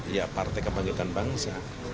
ya partai kembangkitan bangsa